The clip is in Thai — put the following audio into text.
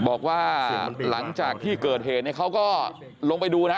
บอกว่าหลังจากที่เกิดเหตุเนี่ยเขาก็ลงไปดูนะ